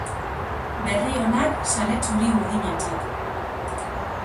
Berri onak zale txuri-urdinentzat.